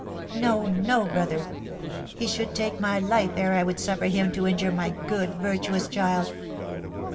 "No, no, brother; he should take my life ere I would suffer him to injure my good, my virtuous child."